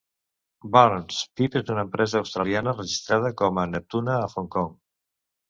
Burns, Phip és una empresa australiana registrada com a "Neptuna" a Hong Kong.